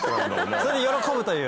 それで喜ぶという。